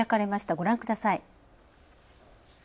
ご覧ください。